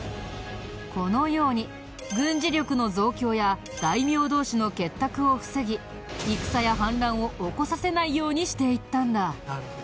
このように軍事力の増強や大名同士の結託を防ぎ戦や反乱を起こさせないようにしていったんだ。